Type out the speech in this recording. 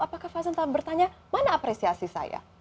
apakah fashinta bertanya mana apresiasi saya